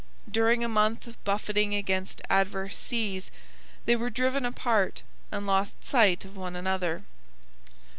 During a month of buffeting against adverse seas, they were driven apart and lost sight of one another.